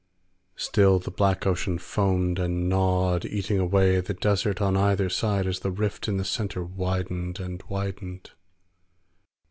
Still the black ocean foamed and gnawed, eating away the desert on either side as the rift in the center widened and widened.